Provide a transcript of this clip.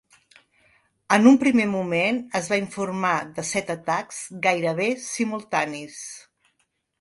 En un primer moment es va informar de set atacs gairebé simultanis.